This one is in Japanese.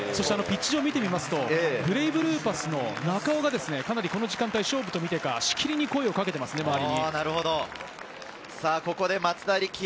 ピッチ上、見てみますとブレイブルーパスの中尾がかなりこの時間帯、勝負と見てか、しきりに声をかけています、周りに。